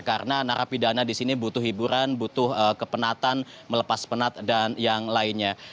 karena narapidana di sini butuh hiburan butuh kepenatan melepas penat dan yang lainnya